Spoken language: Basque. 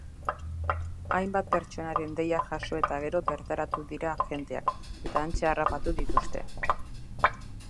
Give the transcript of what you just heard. Hainbat pertsonaren deia jaso eta gero bertaratu dira agenteak eta hantxe harrapatu dituzte.